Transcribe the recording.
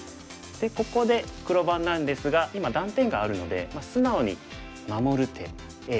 でここで黒番なんですが今断点があるので素直に守る手Ａ。